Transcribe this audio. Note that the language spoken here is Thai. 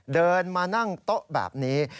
เดินมานั่งโต๊ะแบบนี้